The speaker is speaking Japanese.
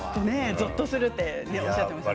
ぞっとするとおっしゃっていましたね。